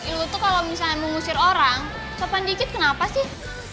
lu tuh kalau misalnya mau ngusir orang sopan dikit kenapa sih